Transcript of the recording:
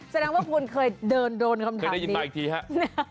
แสดงว่าคุณเคยเดินโดนคำถามเคยได้ยินมาอีกทีครับ